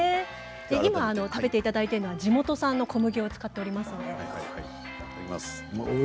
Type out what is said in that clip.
今食べていただいているうどんは地元産の小麦を使っています。